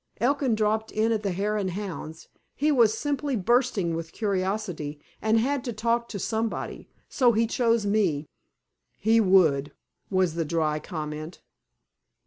Elkin dropped in at the Hare and Hounds. He was simply bursting with curiosity, and had to talk to somebody. So he chose me." "He would," was the dry comment.